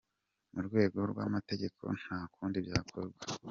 Mu rwego rw’amategeko nta kundi byakorwa.